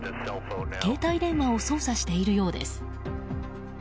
携帯電話を操作しているようです。